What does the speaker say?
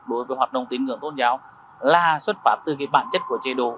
đối với hoạt động tín ngưỡng tôn giáo là xuất pháp từ bản chất của chế độ